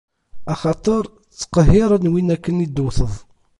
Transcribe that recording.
Axaṭer, ttqehhiren win akken i d-tewteḍ.